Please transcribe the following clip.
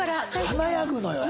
華やぐのよ